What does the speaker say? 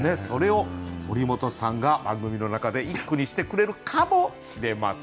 それを堀本さんが番組の中で一句にしてくれるかもしれません。